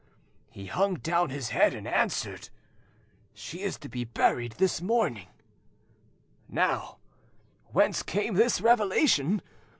"He hung down his head and answered— "'She is to be buried this morning!' "Now whence came this revelation?